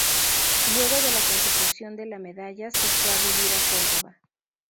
Luego de la consecución de la medalla, se fue a vivir a Córdoba.